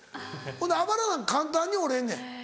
ほなあばらなんか簡単に折れんねん。